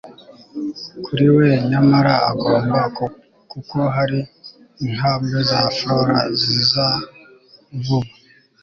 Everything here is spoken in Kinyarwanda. kuri we nyamara agomba, kuko hari intambwe za flora ziza vuba